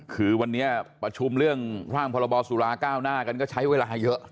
คือวันนี้ประชุมเรื่องร่างพรบสุราก้าวหน้ากันก็ใช้เวลาเยอะ